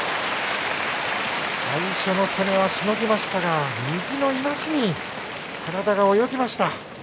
最初の攻めはしのぎましたが、右のいなしに体が泳ぎました。